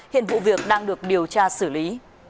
hiện vụ việc đang được điều tra xử lý